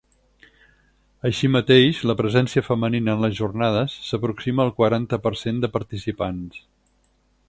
Així mateix, la presència femenina en les jornades s’aproxima al quaranta per cent de participants.